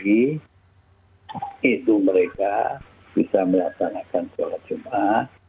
itu mereka bisa melaksanakan jualan jumlah